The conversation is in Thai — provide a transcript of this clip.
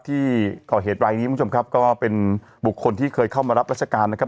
ที่ก่อเหตุรายนี้คุณผู้ชมครับก็เป็นบุคคลที่เคยเข้ามารับราชการนะครับ